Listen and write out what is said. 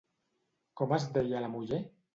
Com es deia la muller?